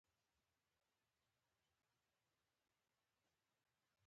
په کلي کښې خورا گډوډي جوړه وه.